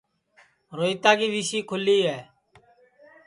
روہیتا کی ویسی کُھلی ہے